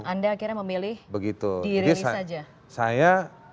anda akhirnya memilih dirilis saja